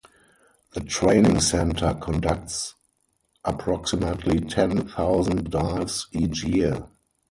The training center conducts approximately ten thousand dives each year.